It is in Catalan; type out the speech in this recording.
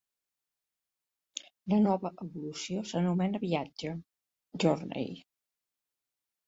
La nova evolució s'anomena Viatge (Journey).